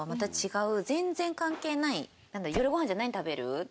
全然関係ない「夜ご飯じゃあ何食べる？」